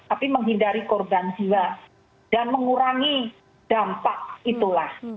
tapi menghindari korban jiwa dan mengurangi dampak itulah